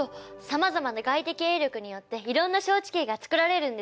さまざまな外的営力によっていろんな小地形が作られるんですね。